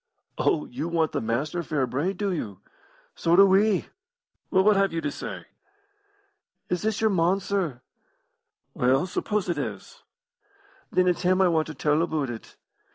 "Oh, you want the Master fair brayed, do you? So do we. Well, what have you to say?" "Is this your mon, sir?" "Well, suppose it is?" "Then it's him I want to tell aboot it.